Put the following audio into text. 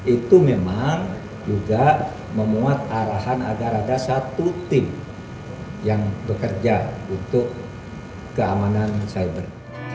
itu memang juga memuat arahan agar ada satu tim yang bekerja untuk keamanan cyber